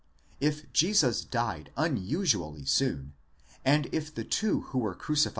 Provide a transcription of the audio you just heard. If Jesus died unusually soon, and if the two who were crucified 48 Comp.